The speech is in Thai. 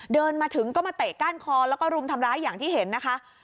เดินมาถึงก็มาเตะก้านคอแล้วก็รุมทำร้ายอย่างที่เห็นนะคะ